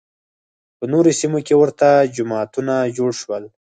په نورو سیمو کې ورته جماعتونه جوړ شول